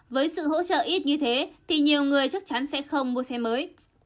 với sự hỗ trợ ít như thế thì nhiều người chắc chắn sẽ không mua xe mới